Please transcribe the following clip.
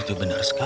itu benar sekali